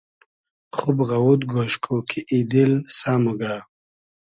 خوب غئوود گۉش کو کی ای دیل سۂ موگۂ